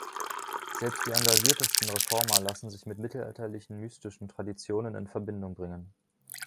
Selbst die engagiertesten Reformer lassen sich mit mittelalterlichen mystischen Traditionen in Verbindung bringen.